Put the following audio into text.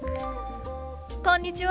こんにちは。